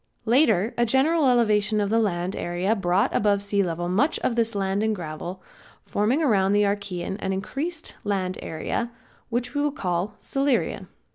Later a general elevation of the land area brought above sea level much of this land and gravel, forming around the Archaean an increased land era, which we call Silurian.